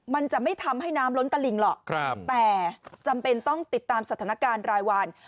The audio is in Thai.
มันจะไม่ทำให้น้ำล้นตลิงหรอกแต่จำเป็นต้องติดตามสถานการณ์รายวัน